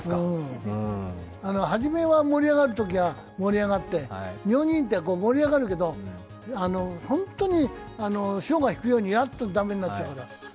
初めは盛り上がるときは盛り上がって日本人ってのは盛り上がるけど本当に潮が引くようにダメになっちゃうんだ。